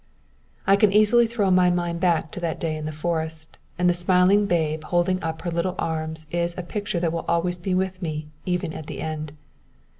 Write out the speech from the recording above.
_ "_I can easily throw my mind back to that day in the forest, and the smiling babe holding up her little arms is a picture that will always be with me even at the end.